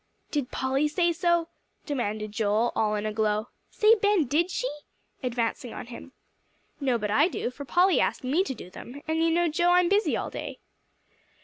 "Did Polly say so?" demanded Joel, all in a glow. "Say, Ben, did she?" advancing on him. "No, but I do; for Polly asked me to do them; and you know, Joe, how busy I am all day."